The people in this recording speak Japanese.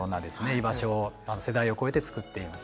居場所を世代を超えてつくっていますね。